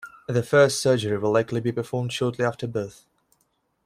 The first surgery will likely be performed shortly after birth.